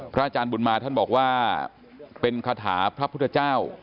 อาจารย์บุญมาท่านบอกว่าเป็นคาถาพระพุทธเจ้า